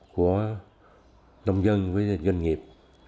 của nông dân với doanh nghiệp